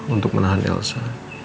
untuk menahan elsa